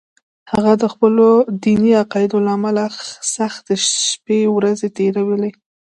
هغه د خپلو دیني عقایدو له امله سختې شپې ورځې تېرولې